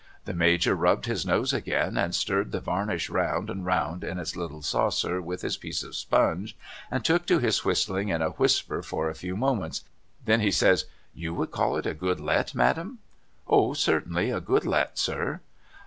The Major rubbed his nose again and stirred the varnish round and round in its little saucer with his piece of sponge and took to his whistling in a whisper for a few moments. Then he says ' You would call it a Good T.et, Madam ?'' O certainly a Good Let sir.'